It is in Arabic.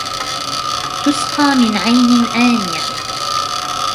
تسقى من عين آنية